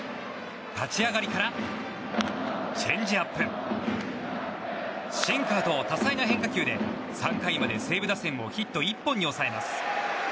立ち上がりから、チェンジアップシンカーと多彩な変化球で３回まで西武打線をヒット１本に抑えます。